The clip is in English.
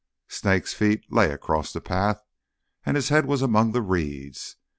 Snake's feet lay across the path, and his head was among the reeds.